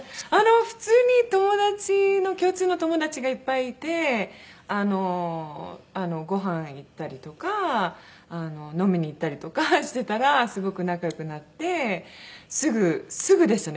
普通に友達の共通の友達がいっぱいいてあのごはん行ったりとか飲みに行ったりとかしてたらすごく仲良くなってすぐすぐでしたね。